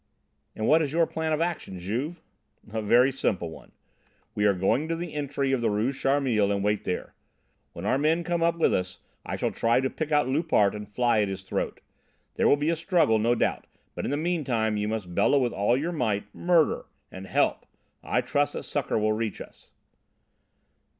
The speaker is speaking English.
"And what is your plan of action, Juve?" "A very simple one. We are going to the entry of the Rue Charmilles and wait there. When our men come up with us I shall try to pick out Loupart and fly at his throat. There will be a struggle, no doubt, but in the meantime you must bellow with all your might: 'Murder' and 'Help.' I trust that succour will reach us."